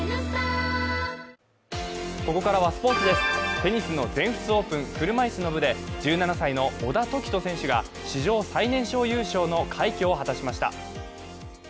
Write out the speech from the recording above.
テニスの全仏オープン車いすの部で１７歳の小田凱人選手が史上最年少優勝の快挙を果たしました。